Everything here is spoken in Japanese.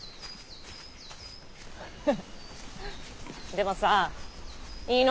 でもさいいの？